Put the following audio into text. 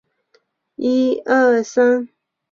赫氏海猪鱼为隆头鱼科海猪鱼属的鱼类。